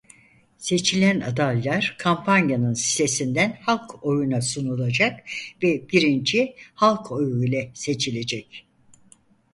Seçilen adaylar kampanyanın sitesinden halk oyuna sunulacak ve birinci halk oyu ile seçilecek.